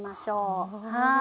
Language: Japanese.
はい。